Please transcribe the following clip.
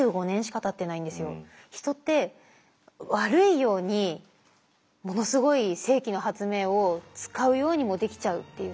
人って悪いようにものすごい世紀の発明を使うようにもできちゃうっていうその。